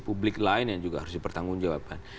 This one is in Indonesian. publik lain yang juga harus dipertanggung jawabkan